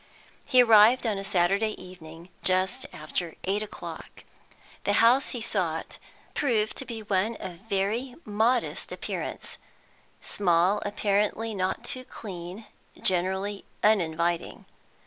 He arrived on a Saturday evening, just after eight o'clock. The house he sought proved to be one of very modest appearance; small, apparently not too clean, generally uninviting.